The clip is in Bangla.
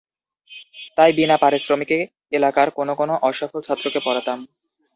তাই বিনা পারিশ্রমিকে এলাকার কোন কোন অসফল ছাত্রকে পড়াতাম।